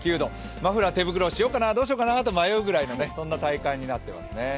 マフラー、手袋はしようかな、とうしようかなと迷う、そんな体感になっていますね。